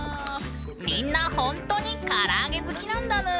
みんなほんとにから揚げ好きなんだぬん。